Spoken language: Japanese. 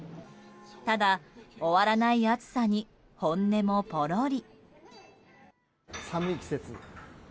ただ、終わらない暑さに本音もポロリ。